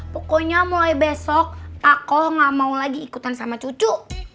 pokoknya mulai besok aku gak mau lagi ikutan sama cucu